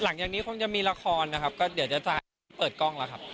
หลังจากนี้คงจะมีละครนะครับก็เดี๋ยวจะเปิดกล้องแล้วครับ